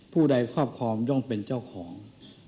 ผู้ใดครอบครองย่องเป็นเจ้าของ